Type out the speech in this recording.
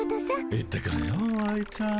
行ってくるよ愛ちゃん。